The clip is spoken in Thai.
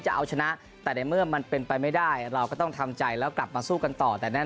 จะเอาชนะแต่ในเมื่อมันเป็นไปไม่ได้เราก็ต้องทำใจแล้วกลับมาสู้กันต่อแต่แน่น